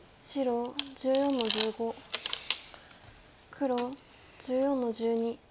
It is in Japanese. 黒１４の十二。